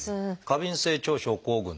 「過敏性腸症候群」。